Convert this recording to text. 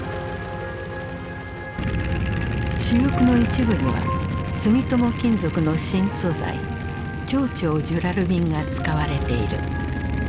主翼の一部には住友金属の新素材超々ジュラルミンが使われている。